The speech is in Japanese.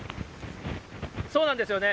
そうなんですよね。